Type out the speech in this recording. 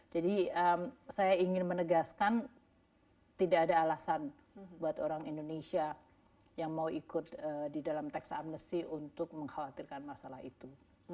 jadi saya ingin menegaskan tidak ada alasan buat orang indonesia yang mau ikut di dalam tax amnesty untuk mengkhawatirkan masalah itu